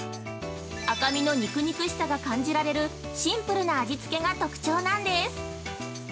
赤身の肉々しさが感じられるシンプルな味つけが特徴なんです。